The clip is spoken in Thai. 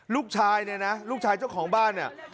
ลูกชายเนี่ยนะลูกชายเจ้าของบ้านเนี่ย